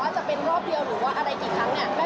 แอลทำเต็มที่มากนะคะในการประกวดทางนี้